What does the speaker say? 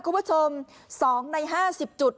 คุณผู้ชม๒ใน๕๐จุด